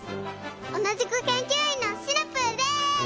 おなじくけんきゅういんのシナプーです！